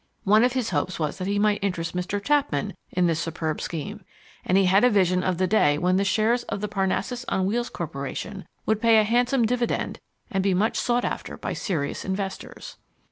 One of his hopes was that he might interest Mr. Chapman in this superb scheme, and he had a vision of the day when the shares of the Parnassus on Wheels Corporation would pay a handsome dividend and be much sought after by serious investors.